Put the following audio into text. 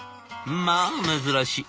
「まあ珍しい。